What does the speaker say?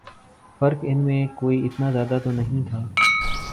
فرق ان میں کوئی اتنا زیادہ تو نہیں تھا